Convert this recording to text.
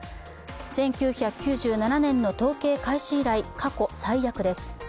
１９９７年の統計開始以来、過去最悪です。